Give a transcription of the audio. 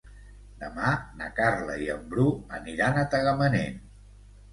Demà na Carla i en Bru aniran a Tagamanent.